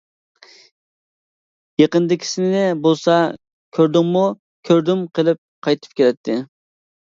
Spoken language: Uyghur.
يېقىندىكىسىنى بولسا، كۆردۈڭمۇ، كۆردۈم قىلىپ قايتىپ كېلەتتى.